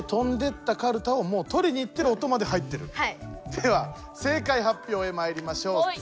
では正解発表へまいりましょう。